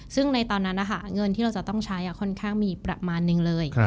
ซึ่งในตอนนั้นเงินที่เราจะต้องใช้ค่อนข้างมีประมาณนึงเลย